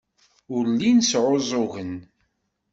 Ur llin sɛuẓẓugen.